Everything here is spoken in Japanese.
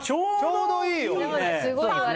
ちょうどいいね。